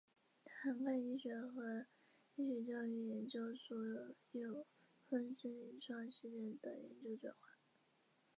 它涵盖医学和医学教育研究所有分支的临床实践的研究转化。